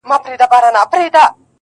یو یار مي ته یې شل مي نور نیولي دینه!